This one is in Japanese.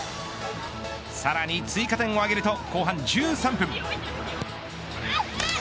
さらに追加点を挙げると後半１３分。